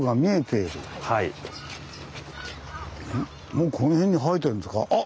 もうこの辺に生えてるんですかあ！